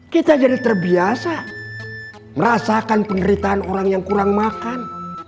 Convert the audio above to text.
kita jadi terbiasa merasakan penderitaan orang yang kurang makan